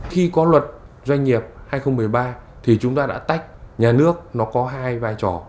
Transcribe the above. khi có luật doanh nghiệp hai nghìn một mươi ba thì chúng ta đã tách nhà nước nó có hai vai trò